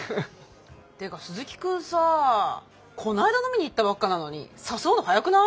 てか鈴木くんさあこないだ飲みに行ったばっかなのに誘うの早くない？